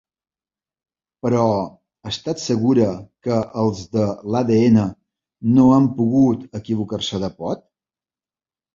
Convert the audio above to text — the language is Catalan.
Però estàs segura que els de l'ADN no han pogut equivocar-se de pot?